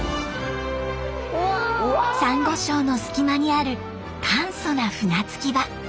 サンゴ礁の隙間にある簡素な船着き場。